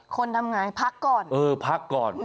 ทำไงพักก่อนเออพักก่อน